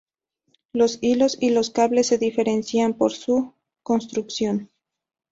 Los hilos y los cables se diferencian por su construcción.